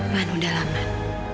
man udah lama man